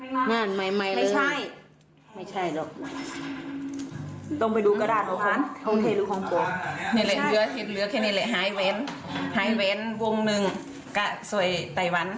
เห็นเหลือหายแวนวงหนึ่งกะสวยไตวัน